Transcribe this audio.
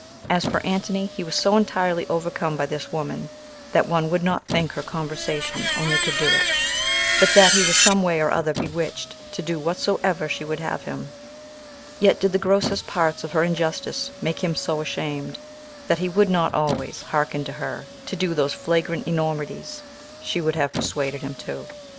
As for Antony, he was so entirely overcome by this woman, that one would not think her conversation only could do it, but that he was some way or other bewitched to do whatsoever she would have him; yet did the grossest parts of her injustice make him so ashamed, that he would not always hearken to her to do those flagrant enormities she would have persuaded him to.